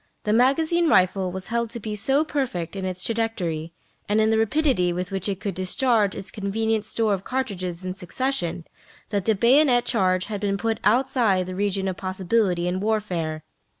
The magazine rifle was held to be so perfect in its trajectory, and in the rapidity with which it could discharge its convenient store of cartridges in succession, that the bayonet charge had been put outside of the region of possibility in warfare.